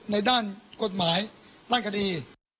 ในด้านกฎหมายด้านคดี